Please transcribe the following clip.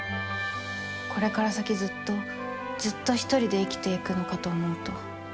これから先ずっとずっとひとりで生きていくのかと思うと。